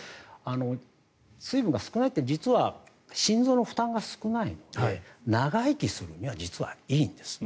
水分が少ないって実は心臓の負担が少ないので長生きするには実はいいんです。